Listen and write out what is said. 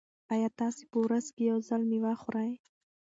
ایا تاسي په ورځ کې یو ځل مېوه خورئ؟